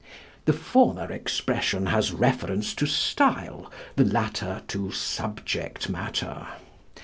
The former expression has reference to style; the latter to subject matter.